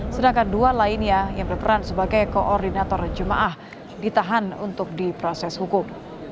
sedangkan dua lainnya yang berperan sebagai koordinator jemaah ditahan untuk diproses hukum